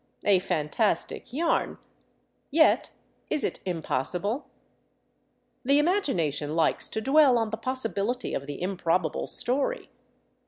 A fantastic yarn ; yet is it impossible ? The imagination likes to dwell on the possibility of the improbable story.